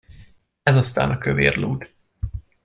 Ez aztán a kövér lúd!